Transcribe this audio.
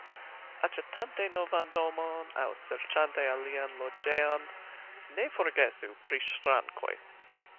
Aĉetante novan domon aŭ serĉante alian loĝejon, ne forgesu pri ŝrankoj.